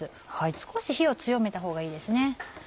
少し火を強めたほうがいいですね。